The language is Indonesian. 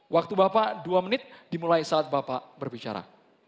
waktu bapak dua menit dimulai saat bapak berbicara